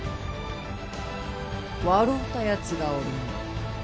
笑うたやつがおるの。